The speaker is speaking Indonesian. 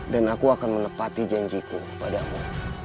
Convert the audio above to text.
dan aku akan menepati janjiku padamu